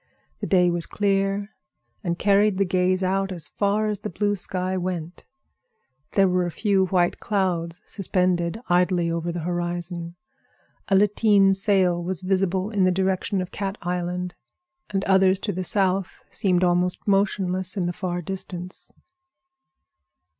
The day was clear and carried the gaze out as far as the blue sky went; there were a few white clouds suspended idly over the horizon. A lateen sail was visible in the direction of Cat Island, and others to the south seemed almost motionless in the far distance.